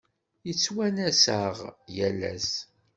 Yettwanas-aɣ yal ass.